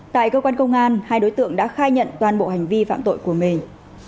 tại cơ quan công an hai đối tượng đã khai nhận toàn bộ hành vi phạm tội của mình